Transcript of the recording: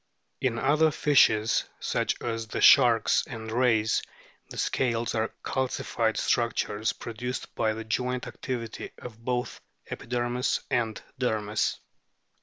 In other fishes, such as the sharks and rays, the scales are calcified structures produced by the joint activity of both epidermis and dermis.